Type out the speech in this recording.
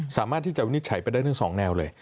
สามารถที่จะวินิจฉัยไปได้ทั้งสองแนวเลย